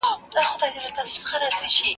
ښه ټولنه د ټولو ګډ کار غواړي.